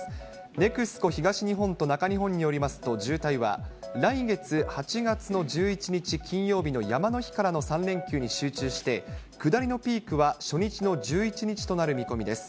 ＮＥＸＣＯ東日本と中日本によりますと、渋滞は来月８月の１１日金曜日の山の日からの３連休に集中して、下りのピークは初日の１１日となる見込みです。